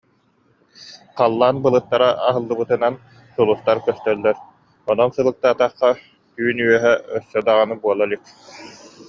Халлаан былыттара аһыллыбытынан сулустар көстөллөр, онон сылыктаатахха, түүн үөһэ өссө даҕаны буола илик